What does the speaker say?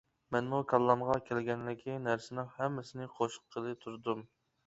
مەنمۇ كاللامغا كەلگەنلىكى نەرسىنىڭ ھەممىسىنى قوشقىلى تۇردۇم.